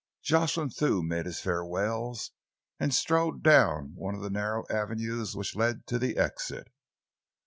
Jocelyn Thew made his farewells and strolled down one of the narrow avenues which led to the exit.